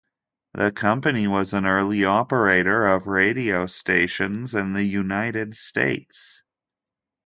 The company was an early operator of radio stations in the United States.